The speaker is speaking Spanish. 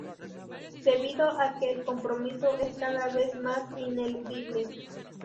Debido a que el compromiso es cada vez más ineludible.